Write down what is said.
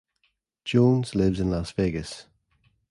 Jones lives in Las Vegas.